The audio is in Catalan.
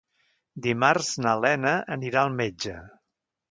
Dimarts na Lena anirà al metge.